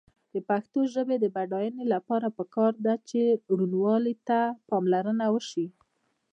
د پښتو ژبې د بډاینې لپاره پکار ده چې روانوالي ته پاملرنه وشي.